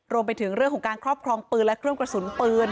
รวมไปถึงเรื่องของการครอบครองปืนและเครื่องกระสุนปืน